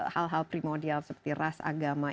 hal hal primodial seperti ras agama